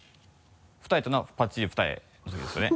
二重っていうのはぱっちり二重のときですよね？